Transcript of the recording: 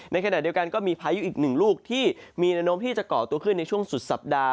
ในขณะเดียวกันก็มีพายุอีกหนึ่งลูกที่มีแนวโน้มที่จะก่อตัวขึ้นในช่วงสุดสัปดาห